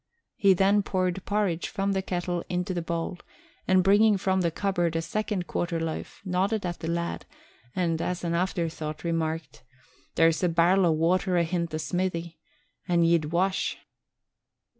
He then poured porridge from the kettle into the bowl, and bringing from the cupboard a second quarter loaf, nodded at the lad and, as an afterthought, remarked, "There's a barrel o' water ahint the smiddy, an ye'd wash."